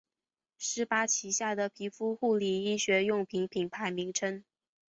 施巴旗下的皮肤护理医学用品品牌名称。